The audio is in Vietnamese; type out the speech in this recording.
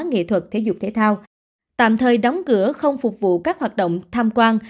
nghệ thuật thể dục thể thao tạm thời đóng cửa không phục vụ các hoạt động tham quan